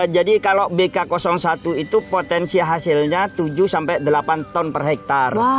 jadi kalau bk satu itu potensi hasilnya tujuh sampai delapan ton per hektar